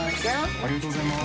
ありがとうございます。